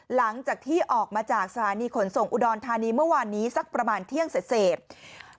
หลังจากที่ออกมาจากสถานีขนส่งอุดรธานีเมื่อวานนี้สักประมาณเที่ยงเศษ